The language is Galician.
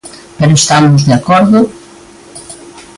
Pero estamos de acordo.